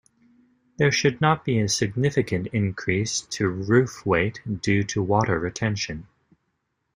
There should not be a significant increase to roof weight due to water retention.